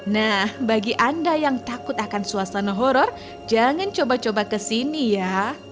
nah bagi anda yang takut akan suasana horror jangan coba coba kesini ya